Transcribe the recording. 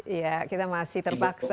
iya kita masih terpaksa